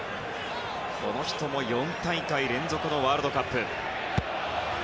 この人も４大会連続のワールドカップ。